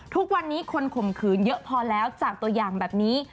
ทุกวันนี้คนข่มขืนเยอะพอแล้วจากตัวอย่างแบบนี้